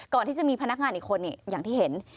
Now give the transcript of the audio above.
ก่อนที่จะมีพนักงานอีกคนอย่างที่เห็น